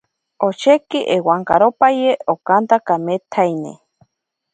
Osheki ewankaropaye okanta kametsaine.